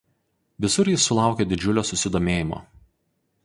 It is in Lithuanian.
Visur jis sulaukė didžiulio susidomėjimo.